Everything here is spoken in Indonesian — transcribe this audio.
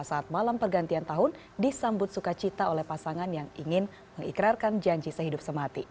saat malam pergantian tahun disambut sukacita oleh pasangan yang ingin mengikrarkan janji sehidup semati